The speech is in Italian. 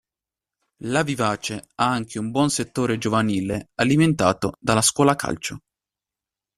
La Vivace ha anche un buon settore giovanile alimentato dalla scuola calcio.